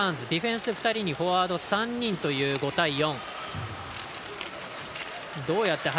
ディフェンス２人にフォワード３人という５対４。